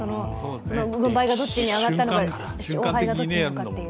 軍配がどっちに上がったのか、勝敗がどっちに上がったのかという。